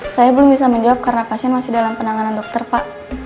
saya belum bisa menjawab karena pasien masih dalam penanganan dokter pak